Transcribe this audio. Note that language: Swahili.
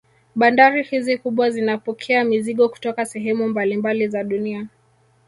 Bandari hizi kubwa zinapokea mizigo kutoka sehemu mbalimbali za dunia